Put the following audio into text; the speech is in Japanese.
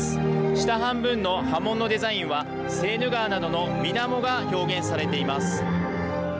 下半分の波紋のデザインはセーヌ川などのみなもが表現されています。